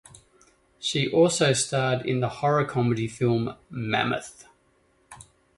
She also starred in the horror comedy film "Mammoth".